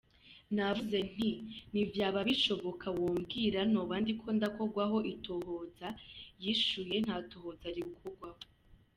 "Navuze nti, ni vyaba bishoboka wombwira, noba ndiko ndakogwako itohoza? Yishuye: "nta tohoza rigukogwako.